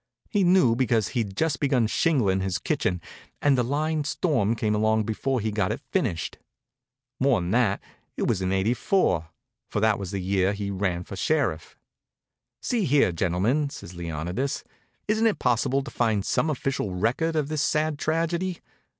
He knew because he'd just begun shingling his kitchen and the line storm came along before he got it finished. More'n that, it was in '84, for that was the year he ran for sheriff. "See here, gentlemen," says Leonidas, "isn't it possible to find some official record of this sad tragedy?